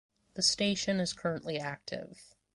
The station is currently active.